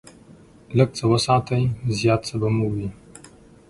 لږ څه وساتئ، زیات څه به مو وي.